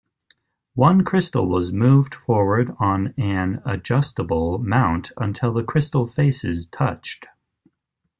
One crystal was moved forward on an adjustable mount until the crystal faces touched.